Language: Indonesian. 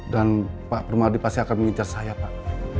dan pak pemadi pasti akan mengincar saya pak